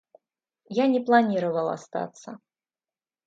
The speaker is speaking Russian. Я не планировал остаться.